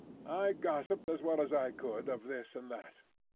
I gossiped as well as I could of this and that.